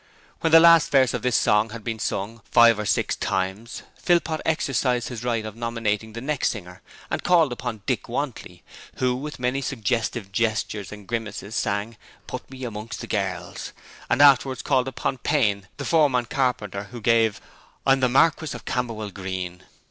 "' When the last verse of this sang had been sung five er six times, Philpot exercised his right of nominating the next singer, and called upon Dick Wantley, who with many suggestive gestures and grimaces sang 'Put me amongst the girls', and afterwards called upon Payne, the foreman carpenter, who gave 'I'm the Marquis of Camberwell Green'.